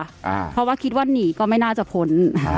เพราะว่าคิดว่าหนีก็ไม่น่าจะพ้น